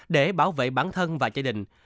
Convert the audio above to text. để bảo vệ bản thân và gia đình